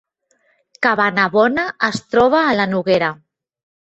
Cabanabona es troba a la Noguera